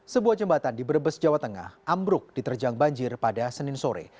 sebuah jembatan di brebes jawa tengah ambruk diterjang banjir pada senin sore